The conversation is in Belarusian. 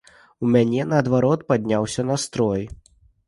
У мяне наадварот падняўся настрой.